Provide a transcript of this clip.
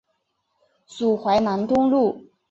属淮南东路。